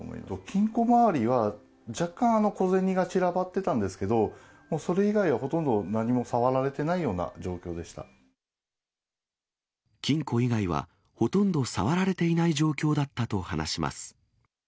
金庫周りは、若干小銭が散らばってたんですけど、もうそれ以外はほとんど何も金庫以外は、ほとんど触られていない状況だったと話します。